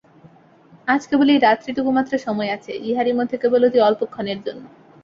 আজ কেবল এই রাত্রিটুকুমাত্র সময় আছে–ইহারই মধ্যে কেবল অতি অল্পক্ষণের জন্য।